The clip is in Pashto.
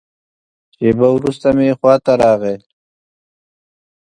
شېبه وروسته مې خوا ته راغی.